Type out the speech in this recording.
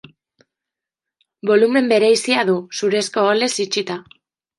Bolumen bereizia du, zurezko oholez itxita.